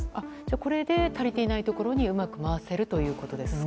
これで足りていないところにうまく回せるということですか。